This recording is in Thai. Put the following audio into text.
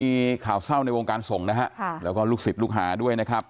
มีข่าวเศร้าในวงการส่งนะฮะค่ะแล้วก็ลูกศิษย์ลูกหาด้วยนะครับ